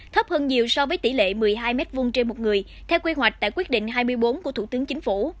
thấp hơn nhiều so với tỷ lệ một mươi hai m hai trên một người theo quy hoạch tại quyết định hai mươi bốn của thủ tướng chính phủ